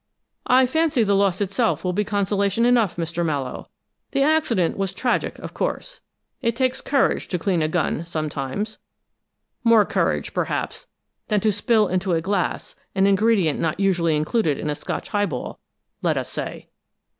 "I fancy the loss itself will be consolation enough, Mr. Mallowe. The accident was tragic, of course. It takes courage to clean a gun, sometimes more courage, perhaps, than to spill into a glass an ingredient not usually included in a Scotch highball, let us say."